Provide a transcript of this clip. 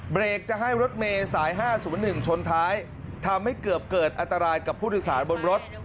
เบรกจะให้รถเมย์สาย๕๐๑ชนท้ายทำให้เกือบเกิดอันตรายกับผู้โดยสารบนรถ